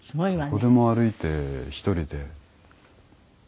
どこでも歩いて１人で。